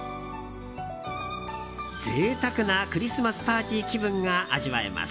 贅沢なクリスマスパーティー気分が味わえます。